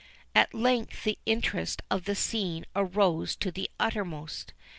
At length the interest of the scene arose to the uttermost.